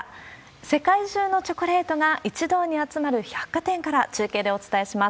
世界中のチョコレートが一堂に集まる百貨店から、中継でお伝えします。